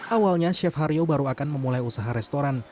awalnya chef harjo baru akan memulai usaha restoran